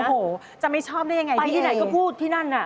โอ้โหจะไม่ชอบได้ยังไงไปที่ไหนก็พูดที่นั่นน่ะ